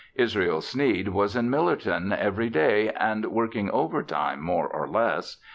Israel Sneed was in Millerton every day and working overtime more or less.